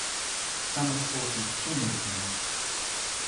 D tameṭṭut yettumelken.